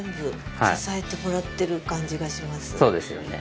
そうですよね。